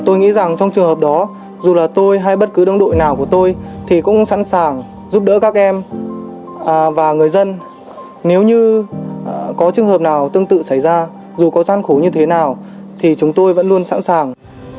tôi nghĩ rằng trong trường hợp đó dù là tôi hay bất cứ đồng đội nào của tôi thì cũng sẵn sàng giúp đỡ các em và người dân nếu như có trường hợp nào tương tự xảy ra dù có gian khổ như thế nào thì chúng tôi vẫn luôn sẵn sàng